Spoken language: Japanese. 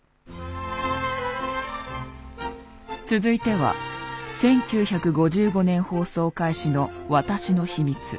続いては１９５５年放送開始の「私の秘密」。